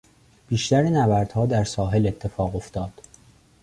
بیشتر نبردها در ساحل اتفاق افتاد.